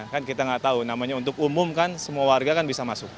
kan kita nggak tahu namanya untuk umum kan semua warga kan bisa masuk